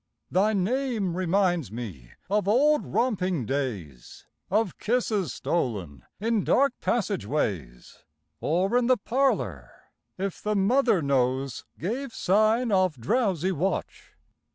Thy name reminds me of old romping days, Of kisses stolen in dark passage ways, Or in the parlor, if the mother nose Gave sign of drowsy watch.